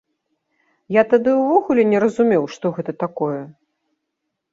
Я тады ўвогуле не разумеў, што гэта такое.